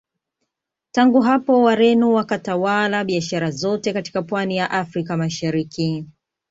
Tangu hapo Wareno wakatawala biashara zote katika Pwani ya Afrika Mashariki